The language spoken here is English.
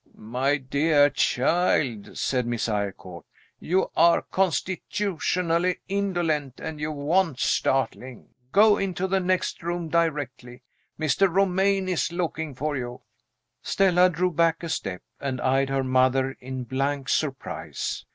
"My dear child," said Mrs. Eyrecourt, "you are constitutionally indolent, and you want startling. Go into the next room directly. Mr. Romayne is looking for you." Stella drew back a step, and eyed her mother in blank surprise.